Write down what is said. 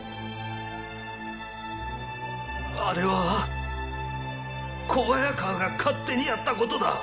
あれは小早川が勝手にやった事だ。